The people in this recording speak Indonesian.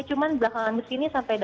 cuman belakangan ini sampai